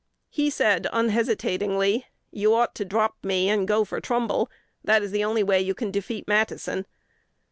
"He said unhesitatingly, 'You ought to drop me, and go for Trumbull: that is the only way you can defeat Matteson.'